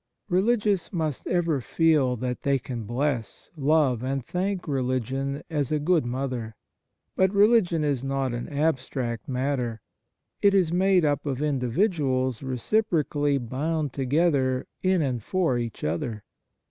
Religious must ever feel that they can bless, love, and thank religion as a good mother. But religion is not an abstract matter ; it is made up of individuals reci procally bound together in and for each other.